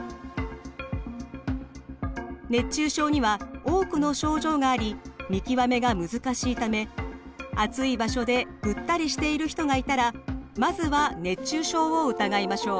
熱中症には多くの症状があり見極めが難しいため暑い場所でぐったりしている人がいたらまずは熱中症を疑いましょう。